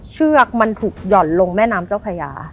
เชือกมันถูกหย่อนลงแม่น้ำเจ้าพญา